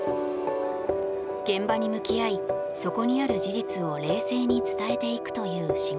現場に向き合いそこにある事実を冷静に伝えていくという仕事。